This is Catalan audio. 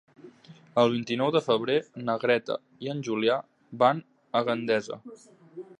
El vint-i-nou de febrer na Greta i en Julià van a Gandesa.